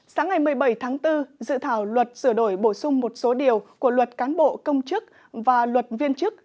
sáng ngày một mươi bảy tháng bốn dự thảo luật sửa đổi bổ sung một số điều của luật cán bộ công chức và luật viên chức